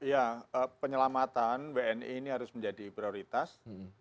ya penyelamatan wni ini harus menjadi prioritas